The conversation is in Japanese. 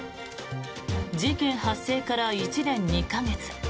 事件発生から１年２か月。